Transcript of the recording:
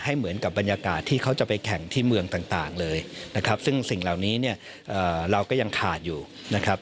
เหมือนกับบรรยากาศที่เขาจะไปแข่งที่เมืองต่างเลยนะครับซึ่งสิ่งเหล่านี้เนี่ยเราก็ยังขาดอยู่นะครับ